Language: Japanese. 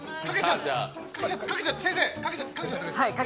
先生、かけちゃっていいですか。